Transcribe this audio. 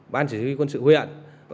ban chỉ huy quân sự huyện